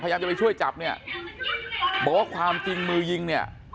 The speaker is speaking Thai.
พยายามจะไปช่วยจับเนี่ยบอกว่าความจริงมือยิงเนี่ย